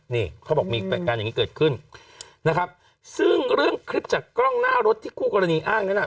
นี่เขาบอกมีเหตุการณ์อย่างนี้เกิดขึ้นนะครับซึ่งเรื่องคลิปจากกล้องหน้ารถที่คู่กรณีอ้างนั้นอ่ะ